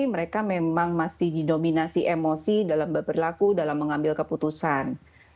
mereka memang masih didominasi emosi dalam berlaku dalam mengambil keputusan